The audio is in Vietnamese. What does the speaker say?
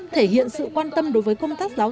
thể hiện sự quan tâm đối với công tác giáo